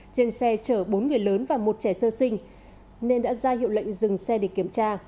trên xe chở bốn người lớn và một trẻ sơ sinh nên đã ra hiệu lệnh dừng xe để kiểm tra